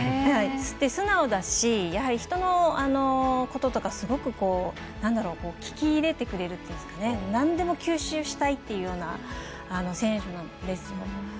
素直だし、やはり人のこととかすごく聞き入れてくれるというかなんでも吸収したいっていうような選手なんですよ。